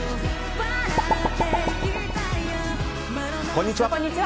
こんにちは。